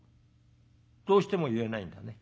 どうしても言えないんだね？